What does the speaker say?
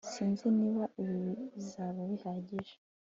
Sinzi niba ibi bizaba bihagije